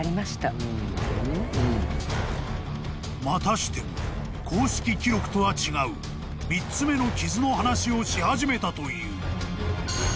［またしても公式記録とは違う３つ目の傷の話をし始めたという］